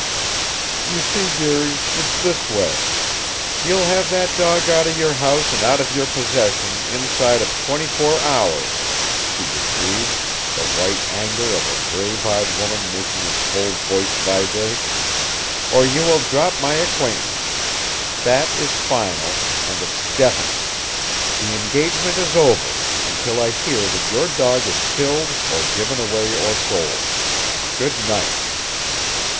You see, dearie, it's this way " "You'll have that dog out of your house and out of your possession, inside of twenty four hours," she decreed, the white anger of a grave eyed woman making her cold voice vibrate, "or you will drop my acquaintance. That is final. And it's definite. The engagement is over until I hear that your dog is killed or given away or sold. Good night!"